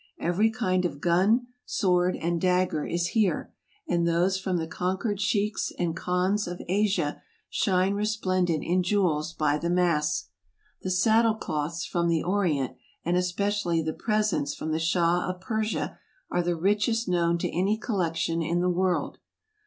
Every kind of gun, sword, and dagger is here, and those from the conquered sheiks and khans of Asia shine resplendent in jewels by the mass. The saddle cloths from the Orient, and especially the presents from the Shah of Persia, are the richest known to any collection in the world.